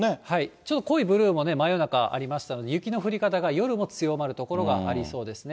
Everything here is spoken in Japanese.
ちょっと濃いブルーも、真夜中ありますので、雪の降り方が、夜も強まる所がありそうですね。